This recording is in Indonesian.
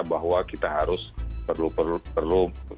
bahwa kita harus perlu